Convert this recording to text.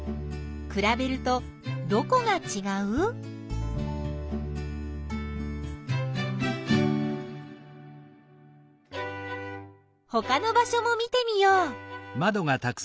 くらべるとどこがちがう？ほかの場しょも見てみよう！